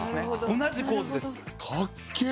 同じ構図です。